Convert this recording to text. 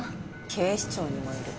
警視庁にもいる。